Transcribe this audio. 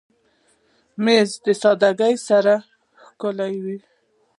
مېز له سادګۍ سره ښکلی وي.